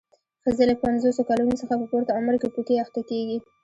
ښځې له پنځوسو کلونو څخه په پورته عمر کې پوکي اخته کېږي.